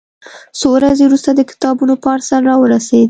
څو ورځې وروسته د کتابونو پارسل راورسېد.